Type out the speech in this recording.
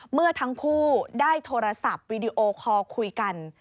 เมื่อทั้งคู่ได้โทรศัพท์วีดีโอคอลคุยกัน